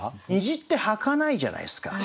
虹ってはかないじゃないですか。